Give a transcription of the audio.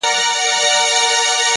د زړه صفا د وجدان رڼا ده!.